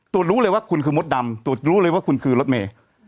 รู้เลยว่าคุณคือมดดำตรวจรู้เลยว่าคุณคือรถเมย์